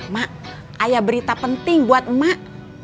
mak ayah berita penting buat emak